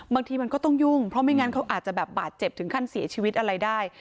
บางทีมันก็ต้องยุ่งเพราะไม่งั้นเขาอาจจะแบบบาดเจ็บถึงขั้นเสียชีวิตอะไรได้